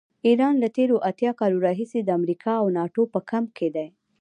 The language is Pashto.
ایران له تېرو اتیا کالو راهیسې د امریکا او ناټو په کمپ کې دی.